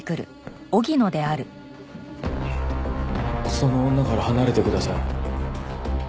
その女から離れてください。